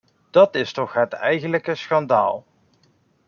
Dat is toch het eigenlijke schandaal!